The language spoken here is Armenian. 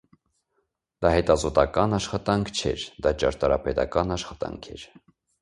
Դա հետազոտական աշխատանք չէր, դա ճարտարապետական աշխատանք էր։